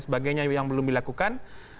sebagainya yang belum dilakukan